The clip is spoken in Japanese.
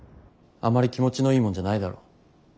あまり気持ちのいいもんじゃないだろ。